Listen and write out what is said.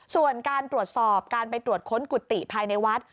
ส่วนการตรวจสอบการไปตรวจค้นกุฏิภายในวัด